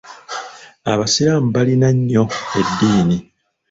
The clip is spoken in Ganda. Abasiraamu balina nnyo eddiini